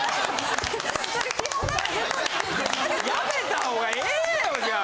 やめたほうがええよじゃあ。